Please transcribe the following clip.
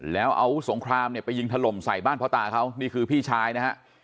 แล้วเอาสงครามไปยิงถล่มใส่บ้านพ่อตาเขานี่คือพี่ชายนะครับ